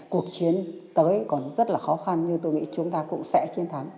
cuộc chiến tới còn rất là khó khăn nhưng tôi nghĩ chúng ta cũng sẽ chiến thắng